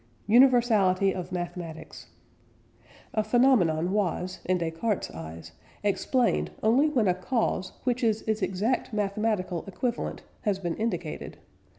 UNIVERSALITY OF MATHEMATICS. A phenomenon was, in Descartes' eyes, "explained" only when a "cause" which is its exact mathematical equivalent, has been indicated.